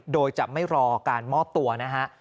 โดยจะไม่รอการมอบตัวนะฮะ